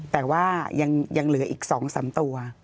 แต่ว่ายังเหลืออีก๒๓ตัว